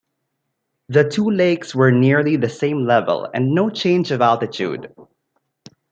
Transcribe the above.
The two lakes were nearly the same level and no change of altitude.